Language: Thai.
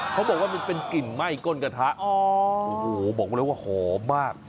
เขาบอกว่ามันเป็นกลิ่นไหม้ก้นกระทะโอ้โหบอกเลยว่าหอมมาก